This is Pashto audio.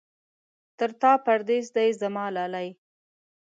تر تا پردېس دی زما لالی.